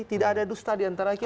tidak ada dusta diantara kita